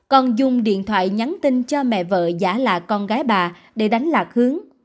còn dùng điện thoại nhắn tin cho mẹ vợ giả là con gái bà để đánh lạc hướng